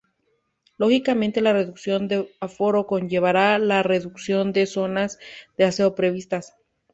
Lógicamente la reducción de aforo conllevará la reducción de las zonas de aseo previstas.